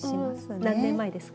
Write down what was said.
何年前ですか。